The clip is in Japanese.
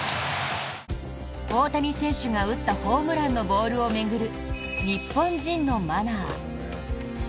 大谷選手が打ったホームランのボールを巡る日本人のマナー。